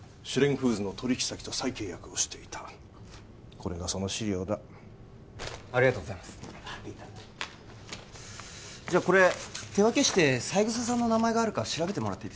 フーズの取引先と再契約をしていたこれがその資料だありがとうございます手分けして三枝さんの名前があるか調べてください